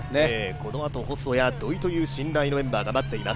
このあと、細谷、土井という信頼のメンバーが待っています。